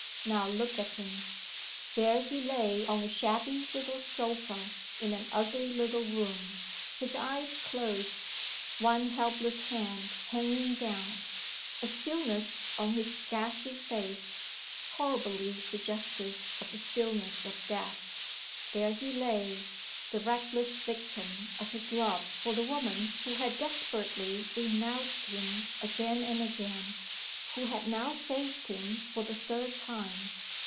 Now look at him." There he lay on a shabby little sofa, in an ugly little room; his eyes closed; one helpless hand hanging down; a stillness on his ghastly face, horribly suggestive of the stillness of death there he lay, the reckless victim of his love for the woman who had desperately renounced him again and again, who had now saved him for the third time.